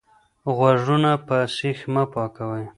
غوږونه په سیخ مه پاکوئ.